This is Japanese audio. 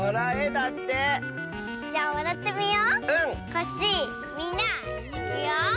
コッシーみんないくよ。